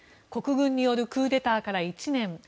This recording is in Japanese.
国軍によるクーデターから１年。